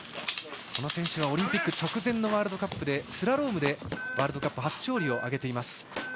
この選手はオリンピック直前のワールドカップでスラロームでワールドカップの初勝利を挙げています。